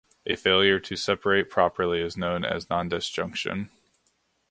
A failure to separate properly is known as nondisjunction.